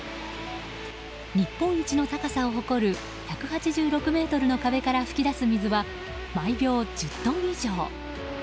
日本一の高さを誇る１８６ｍの壁から噴き出す水は毎秒１０トン以上。